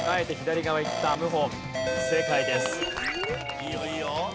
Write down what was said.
いいよいいよ。